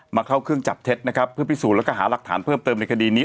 เข้าเครื่องจับเท็จนะครับเพื่อพิสูจน์แล้วก็หาหลักฐานเพิ่มเติมในคดีนี้